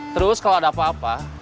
terus kalau ada apa apa